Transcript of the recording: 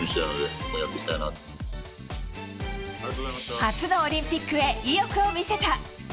初のオリンピックへ意欲を見せた。